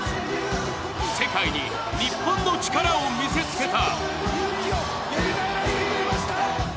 世界に日本の力を見せつけた。